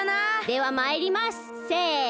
ではまいります！せの！